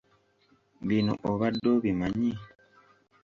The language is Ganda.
Bino obadde obimanyi?